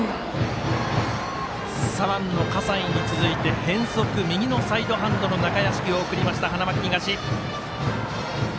左腕の葛西に続いて変則、右のサイドハンドの中屋敷を送りました、花巻東。